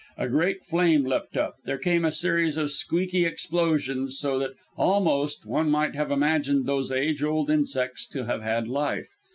A great flame leapt up; there came a series of squeaky explosions, so that, almost, one might have imagined those age old insects to have had life.